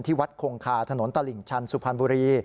วัดคงคาถนนตลิ่งชันสุพรรณบุรี